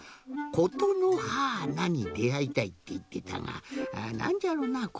「ことのはーなにであいたい」っていってたがなんじゃろな？